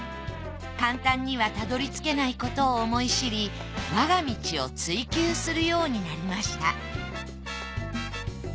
簡単にはたどり着けないことを思い知り我が道を追求するようになりました。